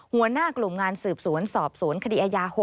หัวหน้ากลุ่มงานสืบสวนสอบสวนคดีอายา๖